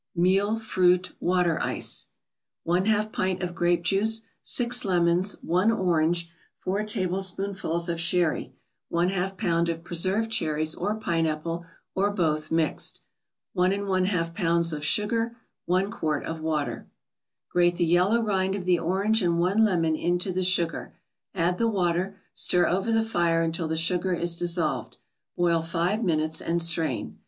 MILLE FRUIT WATER ICE 1/2 pint of grape juice 6 lemons 1 orange 4 tablespoonfuls of sherry 1/2 pound of preserved cherries or pineapple, or both mixed 1 1/2 pounds of sugar 1 quart of water Grate the yellow rind of the orange and one lemon into the sugar, add the water, stir over the fire until the sugar is dissolved, boil five minutes, and strain.